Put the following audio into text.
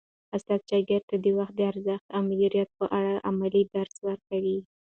استاد شاګرد ته د وخت د ارزښت او مدیریت په اړه عملي درس ورکوي.